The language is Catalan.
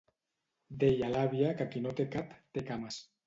Deia l'àvia que qui no té cap, té cames.